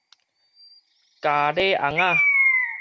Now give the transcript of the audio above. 傀儡尪仔